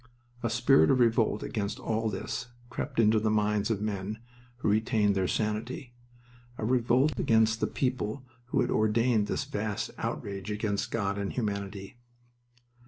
A spirit of revolt against all this crept into the minds of men who retained their sanity a revolt against the people who had ordained this vast outrage against God and humanity.